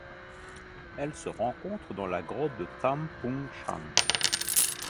Elle se rencontre dans la grotte Tham Pung Chang.